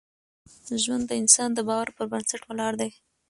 ژوند د انسان د باور پر بنسټ ولاړ دی.